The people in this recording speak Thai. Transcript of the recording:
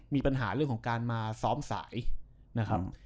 มีปัญหาเรื่องของการมาซ้อมสายนะครับ